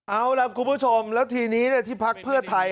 เอาล่ะคุณผู้ชมแล้วทีนี้ที่พักเพื่อไทย